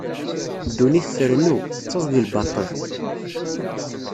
Ddunit trennu, tettaẓ di lbaṭel.